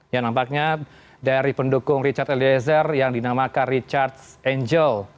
ya nampaknya dari pendukung richard eliezer yang dinamakan richard angel